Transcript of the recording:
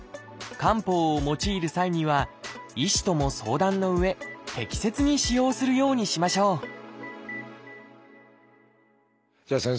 漢方を用いる際には医師とも相談のうえ適切に使用するようにしましょうじゃあ先生